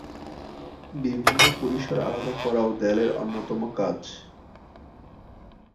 বিভিন্ন পরিসর আলাদা করাও দেয়ালের অন্যতম কাজ।